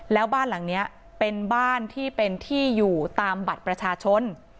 แล้วบ้านหลังนี้เป็นบ้านที่เป็นที่อยู่ตามบัตรประชาชน